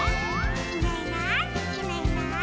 「いないいないいないいない」